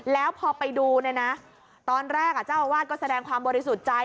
แล้วพอไปดูเนี่ยนะตอนแรกเจ้าอาวาสก็แสดงความบริสุทธิ์ใจ